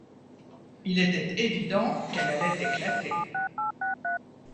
Il était évident qu’elle allait éclater.